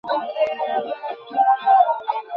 আমরাও উল্টোদিক দিয়ে যাচ্ছি।